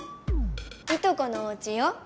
いとこのおうちよ。